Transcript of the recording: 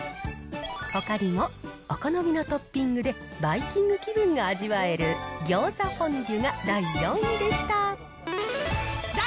ほかにも、お好みのトッピングでバイキング気分が味わえるギョーザフォンデ第３位。